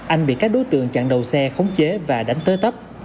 anh bị các đối tượng chặn đầu xe khống chế và đánh tới tấp